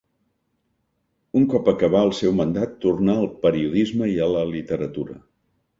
Un cop acabà el seu mandat tornà al periodisme i a la literatura.